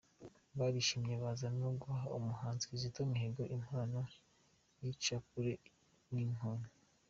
barishimiye baza no guha umuhanzi Kizito Mihigo, impano y’ishapure n’inkoni.